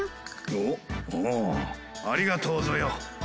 おっおおありがとうぞよ。